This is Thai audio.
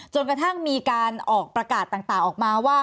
จนกระทั่งมีการออกประกาศต่างออกมาว่า